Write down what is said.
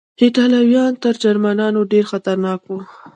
ایټالویان تر جرمنیانو ډېر خطرناک و.